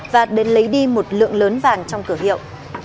và đến lấy đi một lượng lớn vàng trong cửa hiệu